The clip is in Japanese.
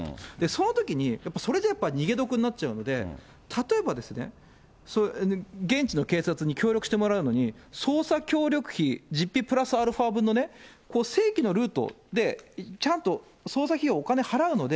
そのときに、やっぱりそれじゃあやっぱり逃げ得になっちゃうんで、例えば現地の警察に協力してもらうのに、捜査協力費実費プラスアルファー分のね、正規のルートで、ちゃんと捜査費用、お金払うので。